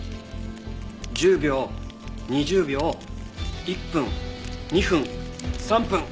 １０秒２０秒１分２分３分４分。